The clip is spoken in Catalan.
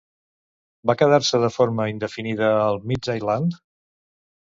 Va quedar-se de forma indefinida al Midtjylland?